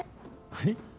はい？